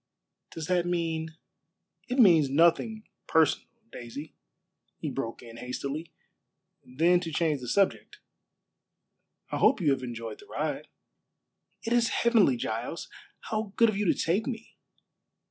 "Does that mean " "It means nothing personal, Daisy," he broke in hastily; then to change the subject, "I hope you have enjoyed the ride." "It is heavenly, Giles. How good of you to take me!"